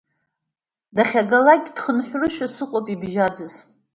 Дахьагалак, дхынҳәрашәа сыҟоуп ибжьаӡыз…